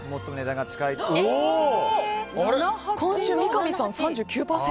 三上さん、３９％。